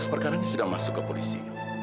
kasus perkaranya sudah masuk ke polisi